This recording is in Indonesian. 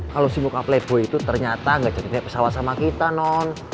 kalau si muka plebo itu ternyata gak jadinya pesawat sama kita non